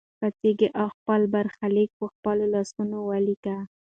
پاڅېږه او خپل برخلیک په خپلو لاسونو ولیکه.